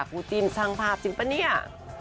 คู่จินสร้างภาพจริงปะเนี่ย